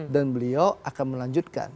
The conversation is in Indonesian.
dan beliau akan melanjutkan